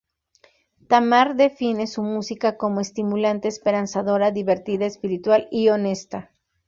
Tamar define su música como "estimulante, esperanzadora, divertida, espiritual, y honesta".